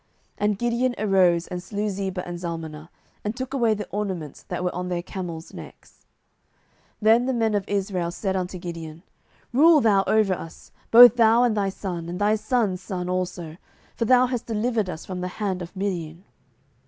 And Gideon arose, and slew Zebah and Zalmunna, and took away the ornaments that were on their camels' necks. 07:008:022 Then the men of Israel said unto Gideon, Rule thou over us, both thou, and thy son, and thy son's son also: for thou hast delivered us from the hand of Midian.